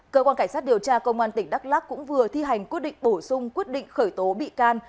cơ quan cảnh sát điều tra công an tỉnh đắk lắc cũng vừa thi hành quyết định bổ sung quyết định khởi tố bị can